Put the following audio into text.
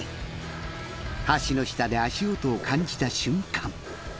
橋の下で足音を感じた瞬間。